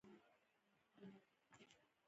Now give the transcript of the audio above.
د ورغوي تڼاکه یې اوبه نه شوه.